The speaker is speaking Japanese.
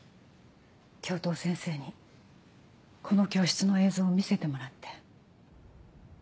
教頭先生にこの教室の映像を見せてもらって。